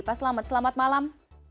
pak selamat selamat malam